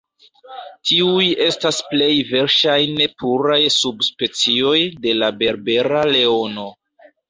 Tiuj estas plej verŝajne puraj subspecioj de la berbera leono.